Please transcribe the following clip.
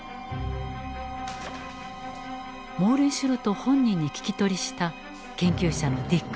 モーレンシュルト本人に聞き取りした研究者のディック・ラッセル。